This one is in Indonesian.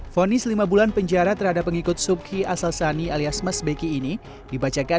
fonis lima bulan penjara terhadap pengikut subki asal sani alias mas beki ini dibacakan